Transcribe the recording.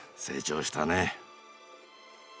成長したね。